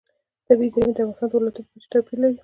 طبیعي زیرمې د افغانستان د ولایاتو په کچه توپیر لري.